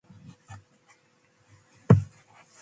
abichobimbo chuaccosh